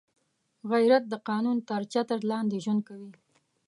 غیرت د قانون تر چتر لاندې ژوند کوي